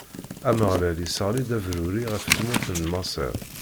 Ameɣlal isseɣli-d abruri ɣef tmurt n Maṣer.